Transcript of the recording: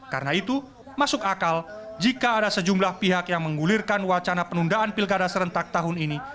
karena itu masuk akal jika ada sejumlah pihak yang menggulirkan wacana penundaan pilkada serentak tahun ini